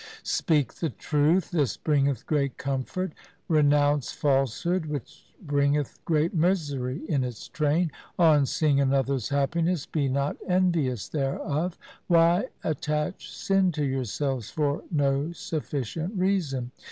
' Speak the truth. This bringeth great comfort. Renounce falsehood which bringeth great misery in its train. On seeing another's happiness be not envious thereof ; why attach sin to yourselves for no sufficient reason